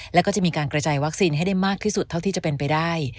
แล้วก็จะมีการกระจายวัคซีนให้ได้มากที่สุดเท่าที่จะเป็นไปได้